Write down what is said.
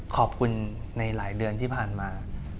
ขอบคุณในหลายเดือนที่ผ่านมา